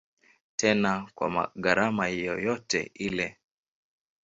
Tena kwa gharama yoyote ile.